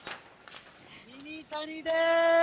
ミニタニでーす。